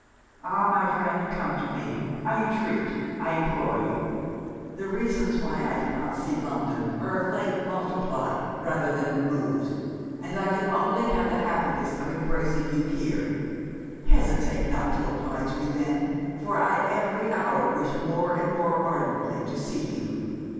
'Ah! my friend, come to me, I entreat, I implore you! The reasons why I cannot see London, are of late multiplied rather than removed, and I can only have the happiness of embracing you here. Hesitate not to oblige me then; for I every hour wish more and more ardently to see you.